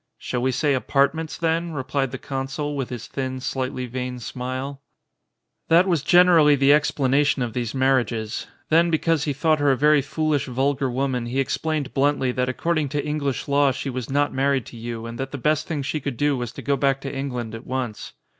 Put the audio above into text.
"Shall we say apartments then?" replied the ■consul, with his thin, slightly vain smile. That was generally the explanation of these marriages. Then because he thought her a very foolish vulgar woman he explained bluntly that according to English law she was not married to Yii and that the best thing she could do was to go back to England at once.